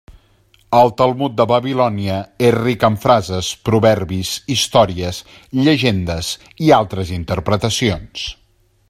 El Talmud de Babilònia, és ric en frases, proverbis, històries, llegendes i altres interpretacions.